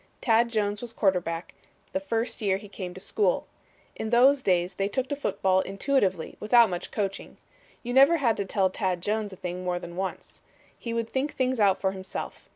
Tad Jones was quarterback the first year he came to school. In those days they took to football intuitively without much coaching. You never had to tell Tad Jones a thing more than once. He would think things out for himself.